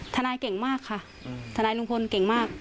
เก่งมากค่ะทนายลุงพลเก่งมาก